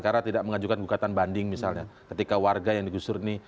karena tidak mengajukan bukatan banding misalnya ketika warga yang digusur ini